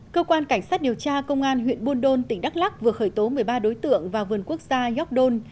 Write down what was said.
cơ quan cảnh sát điều tra công an huyện buôn đôn tỉnh đắk lắc vừa khởi tố một mươi ba đối tượng vào vườn quốc gia york don